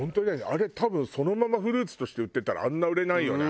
あれ多分そのままフルーツとして売ってたらあんな売れないよね。